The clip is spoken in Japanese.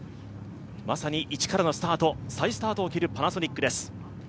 まさに一からのスタート、再スタートを切るパナソニックです。